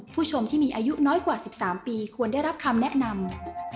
ผู้ชมที่มีอายุน้อยกว่า๑๓ปีควรได้รับคำแนะนำ